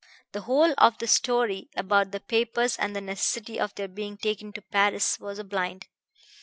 The whole of the story about the papers and the necessity of their being taken to Paris was a blind.